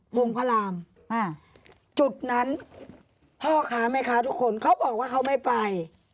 วงพระรามจุดนั้นพ่อค้าแม่ค้าทุกคนเขาบอกว่าเขาไม่ไป